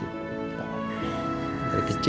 udah dong udah udah